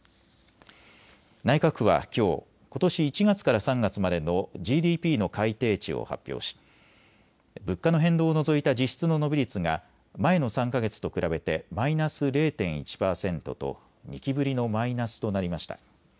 内閣府はきょう、ことし１月から３月までのＧＤＰの改定値を発表し物価の変動を除いた実質の伸び率が前の３か月と比べてマイナス０．１％と２期ぶりのマイナスとなりました。